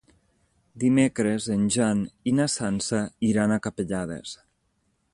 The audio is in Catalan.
Dimecres en Jan i na Sança iran a Capellades.